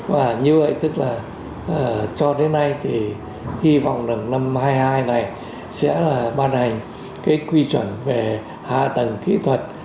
và như vậy tức là cho đến nay thì hy vọng rằng năm hai nghìn hai mươi hai này sẽ ban hành cái quy chuẩn về hạ tầng kỹ thuật